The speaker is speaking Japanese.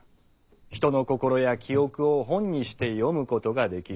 人の心や記憶を「本」にして読むことができる。